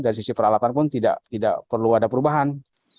dari sisi peralatan pun tidak perlu ada perubahan